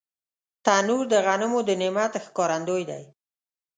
تنور د غنمو د نعمت ښکارندوی دی